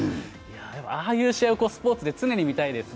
ああいう試合をスポーツで常に見たいですね。